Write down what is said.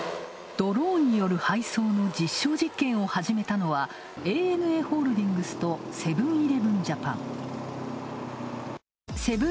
ドローンによる配送の実証実験を始めたのはＡＮＡホールディングスとセブン‐イレブン